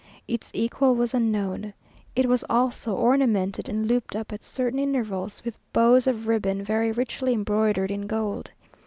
Its equal was unknown. It was also ornamented and looped up at certain intervals with bows of ribbon very richly embroidered in gold.